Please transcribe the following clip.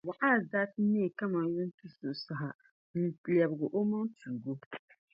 Bɔaz daa ti neei kaman yuntisuɣu saha n-lebigi omaŋ’ tuugi o.